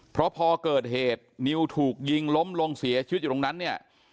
เพราะพอเกิดเหตุนิวถูกยิงล้มลงเสียชีวิตอยู่ตรงนั้นเนี่ย